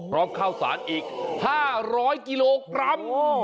ข้าวสารอีก๕๐๐กิโลกรัม